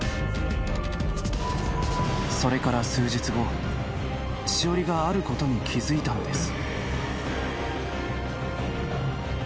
「それから数日後シオリがあることに気付いたのです」